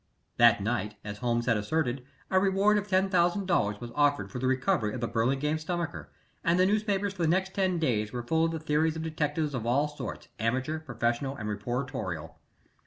That night, as Holmes had asserted, a reward of $10,000 was offered for the recovery of the Burlingame stomacher, and the newspapers for the next ten days were full of the theories of detectives of all sorts, amateur, professional, and reportorial.